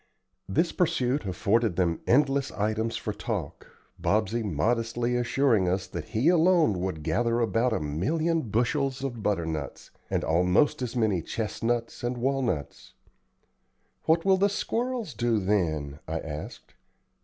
This pursuit afforded them endless items for talk, Bobsey modestly assuring us that he alone would gather about a million bushels of butternuts, and almost as many chestnuts and walnuts. "What will the squirrels do then?" I asked.